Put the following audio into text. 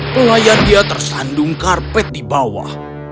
pelayan dia tersandung karpet di bawah